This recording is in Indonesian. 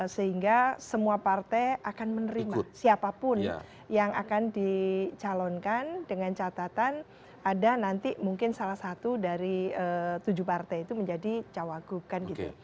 sehingga semua partai akan menerima siapapun yang akan dicalonkan dengan catatan ada nanti mungkin salah satu dari tujuh partai itu menjadi cawagup kan gitu